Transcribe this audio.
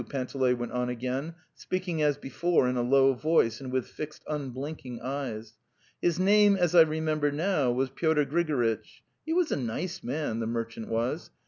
." Panteley went on again, speaking as before in a low voice and with fixed unblinking eyes. '' His name, as I remember now, was Pyotr Grigoritch. He was a nice man, ... the merchant was.